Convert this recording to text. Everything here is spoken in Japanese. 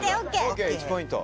ＯＫ１ポイント。